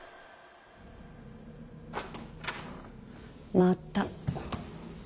また。